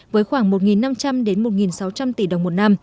với khoảng một năm trăm linh đến một triệu đồng